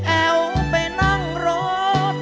แอวไปน้ำกลับเมืองกัน